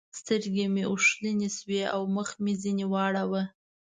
سترګې مې اوښلنې شوې او مخ مې ځنې واړاوو.